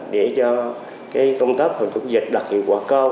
để cho công tác phòng chống dịch đạt hiệu quả cao